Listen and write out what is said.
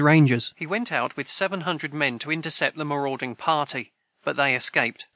[Footnote 51: He went out with seven hundred men, to intercept the marauding party, but they escaped.